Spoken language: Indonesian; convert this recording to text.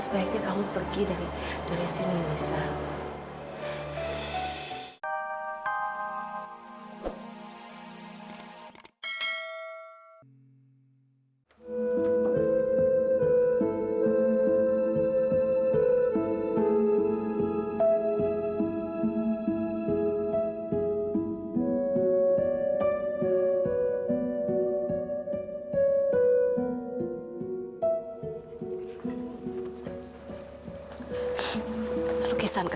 sampai jumpa di video selanjutnya